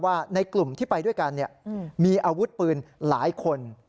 ในกลุ่มที่ไปด้วยกันมีอาวุธปืนหลายคน